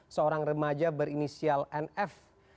seorang remaja berinisial nf